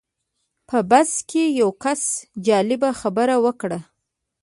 په بس کې یو کس جالبه خبره وکړه.